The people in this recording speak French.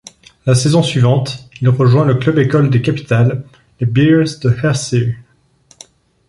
La saison suivante, il rejoint le club-école des Capitals, les Bears de Hershey.